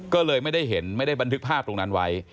ก็เลยไม่ได้เห็นไม่ได้บันทึกภาพตรงนั้นไว้